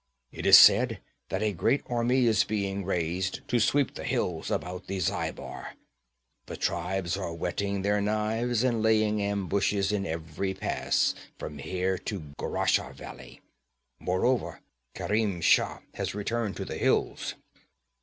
It is said that a great army is being raised to sweep the hills about the Zhaibar. The tribes are whetting their knives and laying ambushes in every pass from here to Gurashah valley. Moreover, Kerim Shah has returned to the hills.'